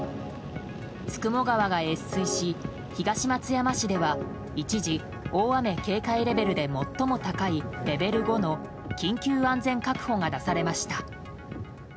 九十九川が越水し東松山市では一時、大雨警戒レベルで最も高いレベル５の緊急安全確保が出されました。